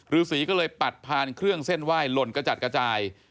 ฤษีก็เลยปัดผ่านเครื่องเส้นไหว้หล่นกระจัดกระจาย